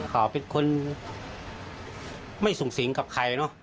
เขาเป็นคนไม่สูงสิงกับใครเนอะ